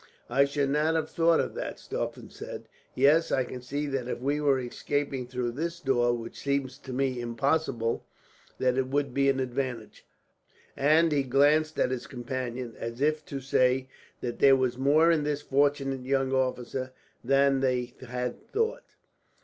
"I should not have thought of that," Stauffen said. "Yes, I can see that if we were escaping through this door, which seems to me impossible, that it would be an advantage;" and he glanced at his companion, as if to say that there was more in this fortunate young officer than they had thought.